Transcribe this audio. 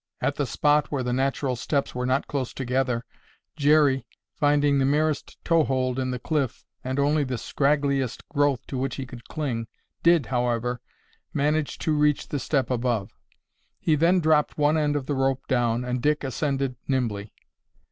At the spot where the natural steps were not close together, Jerry, finding the merest toe hold in the cliff and only the scraggliest growth to which he could cling, did, however, manage to reach the step above. He then dropped one end of the rope down and Dick ascended nimbly.